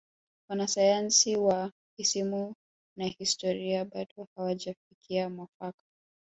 wanasayansi wa isimu na historia bado hawajafikia mwafaka